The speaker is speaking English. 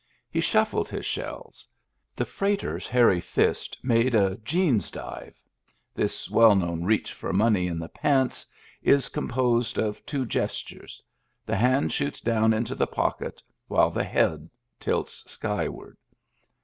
He shuflflied his shells. The freighter's hairy fist made a "jeans dive." This well known reach for money in the "pants" is composed of two gestures : the hand shoots down into the pocket, while the head tilts skyward.